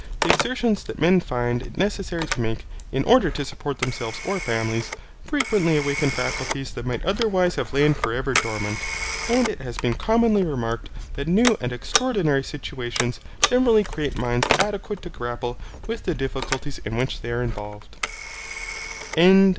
The exertions that men find it necessary to make, in order to support themselves or families, frequently awaken faculties that might otherwise have lain for ever dormant, and it has been commonly remarked that new and extraordinary situations generally create minds adequate to grapple with the difficulties in which they are involved.